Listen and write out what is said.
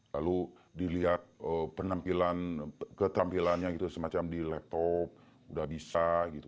lalu dilihat keterampilannya gitu semacam di laptop udah bisa gitu